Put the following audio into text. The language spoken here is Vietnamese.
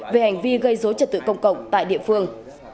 về hành vi gây dối trật tự công cộng tại địa phương